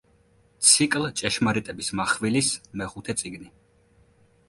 ციკლ „ჭეშმარიტების მახვილის“ მეხუთე წიგნი.